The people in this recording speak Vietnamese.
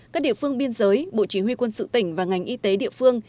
các địa phương biên giới bộ chỉ huy quân sự tỉnh và ngành y tế địa phương